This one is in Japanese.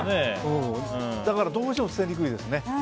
だからどうしても捨てにくいです。